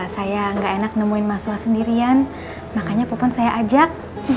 saya enggak enak nemuin mas loha sendirian makanya popon saya ajak